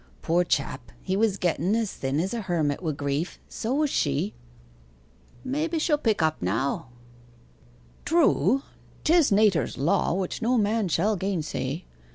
Poor chap, he was getten as thin as a hermit wi' grief so was she.' 'Maybe she'll pick up now.' 'True 'tis nater's law, which no man shall gainsay.